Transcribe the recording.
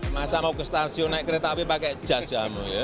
masa mau ke stasiun naik kereta api pakai jas jamu ya